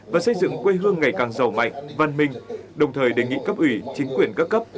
và xây dựng quê hương ngày càng giàu mạnh văn minh đồng thời đề nghị cấp ủy chính quyền các cấp